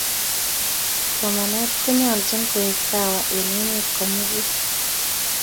somanee ko nyolchin koek sawa en emee komukul